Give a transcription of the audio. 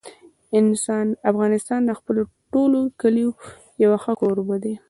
افغانستان د خپلو ټولو کلیو یو ښه کوربه دی.